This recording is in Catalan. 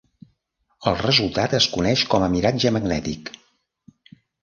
El resultat es coneix com a miratge magnètic.